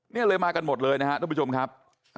นี่เลยมากันหมดเลยนะครับทุกผู้ชมครับ